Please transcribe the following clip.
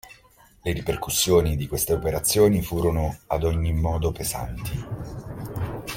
Le ripercussioni di questa operazioni furono ad ogni modo pesanti.